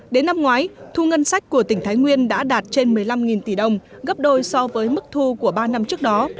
đến năm ngoái thu ngân sách của tỉnh thái nguyên đã đạt trên một mươi năm tỷ đồng gấp đôi so với mức thu của ba năm trước đó